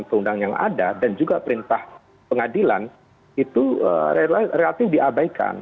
undang undang yang ada dan juga perintah pengadilan itu relatif diabaikan